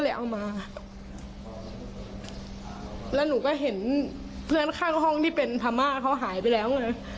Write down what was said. เอามาแล้วหนูก็เห็นเพื่อนข้างห้องที่เป็นพม่าเขาหายไปแล้วไง